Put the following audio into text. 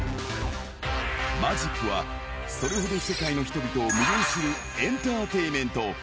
マジックは、それほど世界の人々を魅了するエンターテインメント。